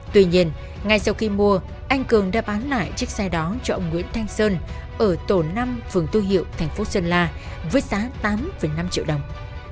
tuy nhiên ngay sau khi mua anh cường đã bán lại chiếc xe đó cho ông nguyễn thanh sơn ở tổ năm phường tư hiệu thành phố sơn la với giá tám năm triệu đồng